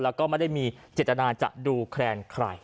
แล้วก็ไม่ได้มีเจตนาจะดูแคลนใคร